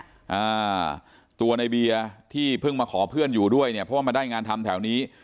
อ่าตัวในเบียร์ที่เพิ่งมาขอเพื่อนอยู่ด้วยเนี่ยเพราะว่ามาได้งานทำแถวนี้